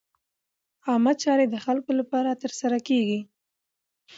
عامه چارې د خلکو لپاره ترسره کېږي.